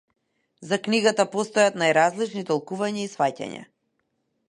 За книгата постојат најразлични толкувања и сфаќања.